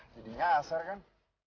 jadi ngasar kan